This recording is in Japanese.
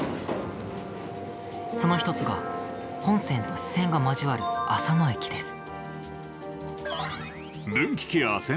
その１つが本線と支線が交わる浅野駅です。